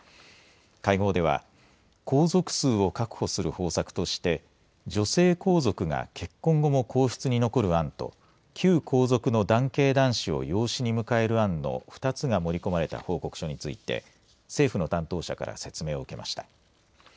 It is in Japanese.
会合では皇族数を確保する方策として女性皇族が結婚後も皇室に残る案と旧皇族の男系男子を養子に迎える案の２つが盛り込まれた報告書について政府の担当者から説明を受けました。